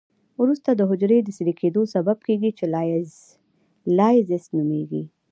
وروسته د حجري د څیرې کیدو سبب کیږي چې لایزس نومېږي.